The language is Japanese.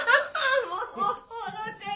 もうほのちゃん